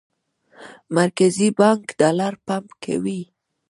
مرکزي بانک ډالر پمپ کوي.